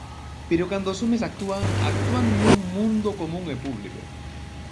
Pero cando os homes actúan, actúan nun mundo común e público.